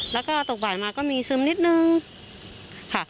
แล้วก็ตกบ่ายมาก็มีซึมนิดนึงค่ะ